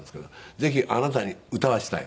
「ぜひあなたに歌わせたい」